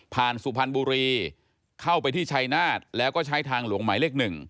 สุพรรณบุรีเข้าไปที่ชัยนาฏแล้วก็ใช้ทางหลวงหมายเลข๑